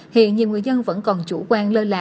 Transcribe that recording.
hiện nhiều người dân vẫn còn chủ quan lơ là